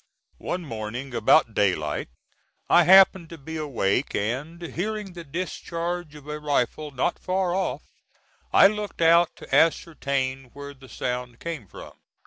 One morning about daylight I happened to be awake, and, hearing the discharge of a rifle not far off, I looked out to ascertain where the sound came from.